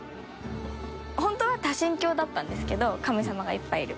ホントは多神教だったんですけど神様がいっぱいいる。